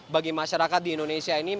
bagi masyarakat di indonesia ini